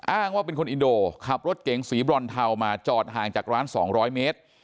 อ้างว่าเป็นคนอินโดขับรถเก๋งสีบรอนเทามาจอดห่างจากร้าน๒๐๐เมตร